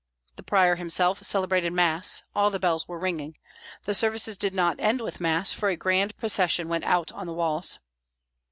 The prior himself celebrated Mass; all the bells were ringing. The services did not end with Mass, for a grand procession went out on the walls.